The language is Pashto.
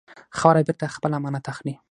خاوره بېرته خپل امانت اخلي.